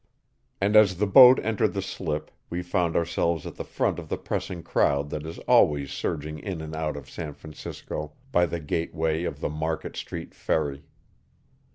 And as the boat entered the slip we found ourselves at the front of the pressing crowd that is always surging in and out of San Francisco by the gateway of the Market Street ferry.